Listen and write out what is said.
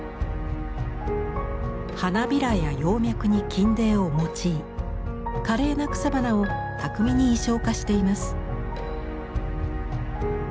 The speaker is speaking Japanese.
花びらや葉脈に金泥を用い華麗な草花を巧みに意匠化しています。